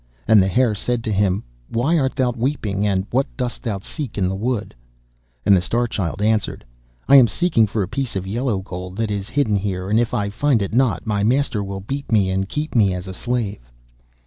And the Hare said to him, 'Why art thou weeping? And what dost thou seek in the wood?' And the Star Child answered, 'I am seeking for a piece of yellow gold that is hidden here, and if I find it not my master will beat me, and keep me as a slave.